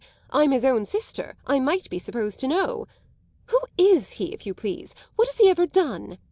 I'm his own sister; I might be supposed to know. Who is he, if you please? What has he ever done?